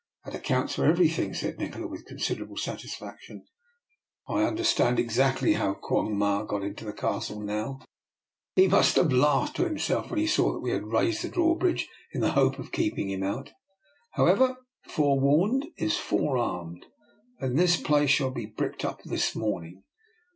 " That accounts for everything," said Nikola with considerable satisfaction. " I 17 254 DR. NIKOLA'S EXPERIMENT. understand exactly how Quong Ma got into the Castle now; he must have laughed to himself when he saw that we had raised the drawbridge in the hope of keeping him out. However, forewarned is forearmed, and this place shall be bricked up this morning.